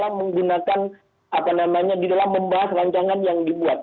yaitu menggunakan hak vt nya di dalam membahas rancangan yang dibuat